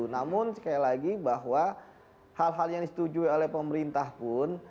namun sekali lagi bahwa hal hal yang disetujui oleh pemerintah pun